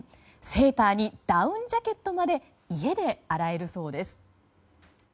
セーターにダウンジャケットまで家で洗えるそうです。